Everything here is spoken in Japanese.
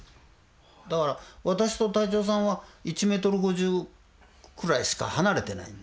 だから私と隊長さんは１ｍ５０くらいしか離れてない。